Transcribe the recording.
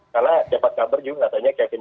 karena dapat kabar juga katanya kevin feige